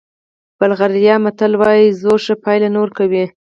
بلغاریایي متل وایي زور ښه پایله نه ورکوي.